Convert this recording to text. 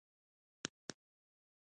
له ډېرو بازارونو څخه مو لیدنه وکړله.